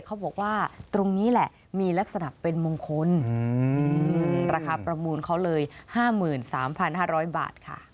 เขาบอกว่าตรงนี้แหละมีลักษณะเป็นมงคลราคาประมูลเขาเลย๕๓๕๐๐บาทค่ะ